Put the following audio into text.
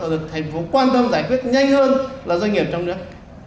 được thành phố quan tâm giải quyết nhanh hơn là doanh nghiệp trong nước